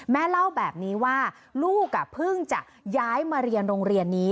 แม่เล่าแบบนี้ว่าลูกเพิ่งจะย้ายมาเรียนโรงเรียนนี้